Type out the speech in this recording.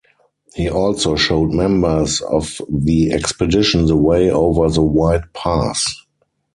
He also showed members of the expedition the way over the White Pass.